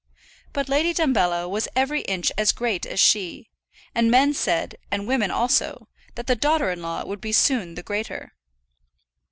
But Lady Dumbello was every inch as great as she; and men said, and women also, that the daughter in law would soon be the greater.